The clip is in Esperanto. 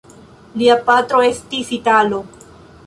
Lia patro estis italo.